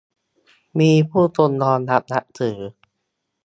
มีผู้คนยอมรับนับถือ